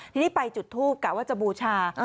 ที่นี่ไปจุดทูบกล่าวว่าจะบูชา